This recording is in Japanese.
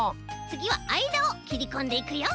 つぎはあいだをきりこんでいくよ。